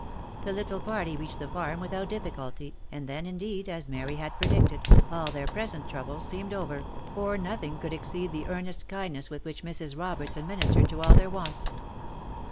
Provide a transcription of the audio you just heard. The little party reached the farm without difficulty, and then, indeed, as Mary had predicted, all their present troubles seemed over, for nothing could exceed the earnest kindness with which Mrs. Roberts administered to all their wants.